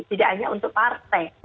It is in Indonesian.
tidak hanya untuk partai